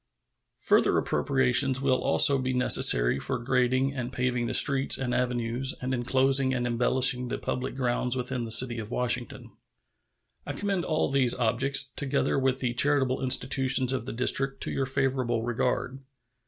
Further appropriations will also be necessary for grading and paving the streets and avenues and inclosing and embellishing the public grounds within the city of Washington. I commend all these objects, together with the charitable institutions of the District, to your favorable regard.